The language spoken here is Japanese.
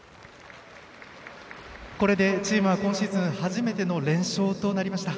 これでチームは今シーズン初めての連勝となりました。